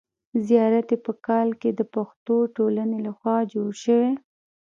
زیارت یې په کال کې د پښتو ټولنې له خوا جوړ شوی.